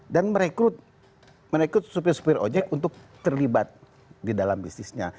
dan merekrut supir supir objek untuk terlibat di dalam bisnisnya